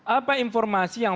apa informasi yang